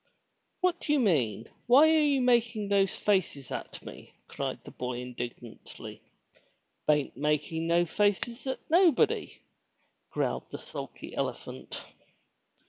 "What do you mean? Why are you making those faces at me?'' cried the boy indignantly. " Bain't makin' no faces at nobody," growled the sulky elephant.